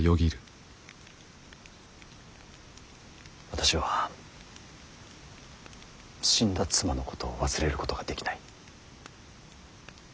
私は死んだ妻のことを忘れることができない。